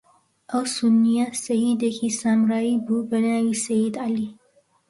ئەو سوننییە سەییدێکی سامرایی بوو، بە ناوی سەیید عەلی